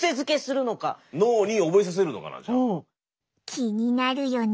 気になるよね。